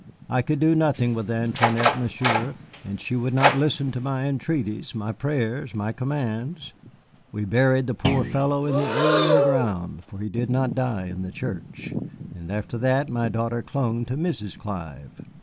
I could do nothing with Antoinette, Monsieur, and she would not listen to my entreaties, my prayers, my commands. We buried the poor fellow in the alien ground, for he did not die in the Church, and after that my daughter clung to Mrs. Clive.